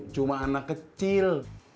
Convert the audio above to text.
cuma anak kecil